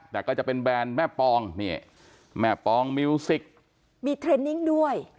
แต่ก็จะเป็นแบรนด์แม่ปองนี่แม่ปองมิวสิกมีเทรนนิ่งด้วย